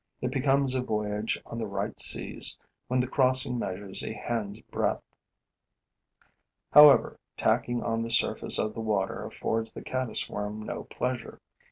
It becomes a voyage on the right seas when the crossing measures a hand's breadth. However, tacking on the surface of the water affords the caddis worm no pleasure.